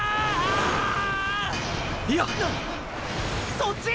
そっち！！